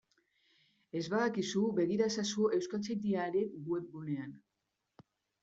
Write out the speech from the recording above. Ez badakizu, begira ezazu Euskaltzaindiaren webgunean.